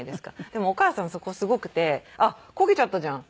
でもお義母さんはそこすごくて「焦げちゃったじゃん。